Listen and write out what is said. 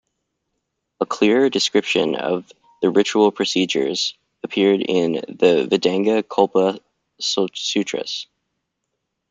A clearer description of the ritual procedures appeared in the Vedanga Kalpa-sutras.